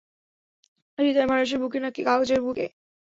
হৃদয় মানুষের বুকে নাকি কাগজের বুকে?